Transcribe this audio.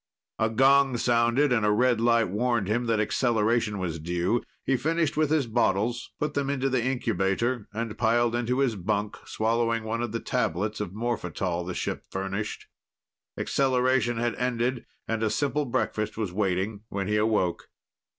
A gong sounded, and a red light warned him that acceleration was due. He finished with his bottles, put them into the incubator, and piled into his bunk, swallowing one of the tablets of morphetal the ship furnished. Acceleration had ended, and a simple breakfast was waiting when he awoke.